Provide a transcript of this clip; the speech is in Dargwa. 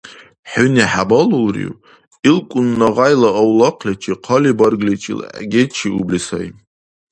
ХӀуни хӀебалулрив? ИлкӀун Ногъайла авлахъличи хъалибаргличил гечиубли сай.